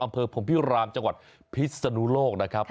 อำเภอพรมพิรามจังหวัดพิศนุโลกนะครับ